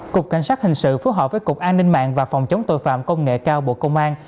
cục cảnh sát hình sự phối hợp với cục an ninh mạng và phòng chống tội phạm công nghệ cao bộ công an